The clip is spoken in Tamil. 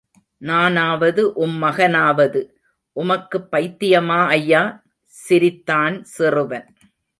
நானாவது உம் மகனாவது.உமக்குப் பைத்தியமா ஐயா? சிரித்தான் சிறுவன்!